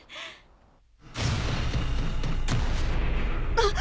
あっ！